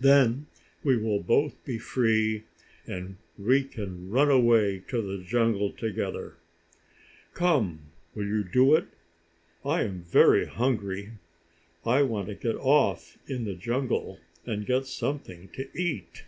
Then we will both be free, and we can run away to the jungle together: Come, will you do it? I am very hungry! I want to get off in the jungle and get something to eat."